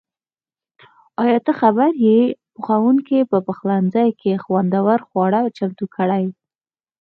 ایا ته خبر یې؟ پخونکي په پخلنځي کې خوندور خواړه چمتو کړي.